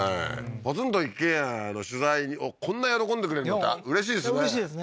ポツンと一軒家の取材をこんな喜んでくうれしいですねうれしいですね